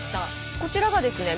こちらがですね